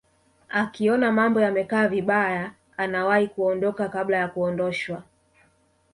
akiona mambo yamekaa vibaya anawahi kuondoka kabla ya kuondoshwa